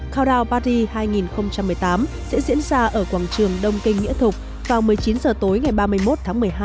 coudan patri hai nghìn một mươi tám sẽ diễn ra ở quảng trường đông kinh nghĩa thục vào một mươi chín h tối ngày ba mươi một tháng một mươi hai